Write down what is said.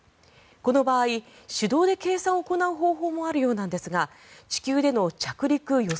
この場合、手動で計算を行う方法もあるようなんですが地球での着陸予想